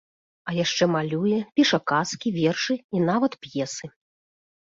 А яшчэ малюе, піша казкі, вершы і нават п'есы.